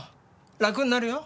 楽になるよ。